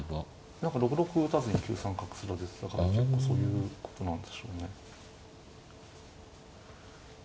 何か６六歩を打たずに９三角すら出てたから結構そういうことなんでしょうね。